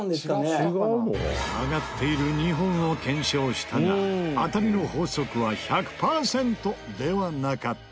曲がっている２本を検証したが当たりの法則は１００パーセントではなかった。